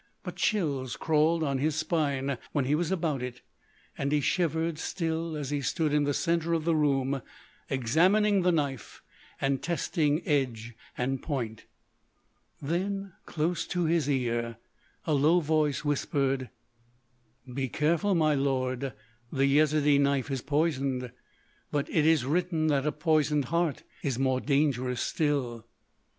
But chills crawled on his spine while he was about it, and he shivered still as he stood in the centre of the room examining the knife and testing edge and point. Then, close to his ear, a low voice whispered: "Be careful, my lord; the Yezidee knife is poisoned. But it is written that a poisoned heart is more dangerous still."